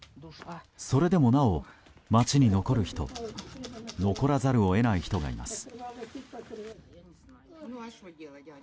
それでもなお、街に残る人残らざるを得ない人がいます。